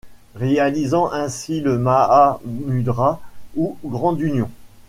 Réalisant ainsi le Mahamudra ou grande union.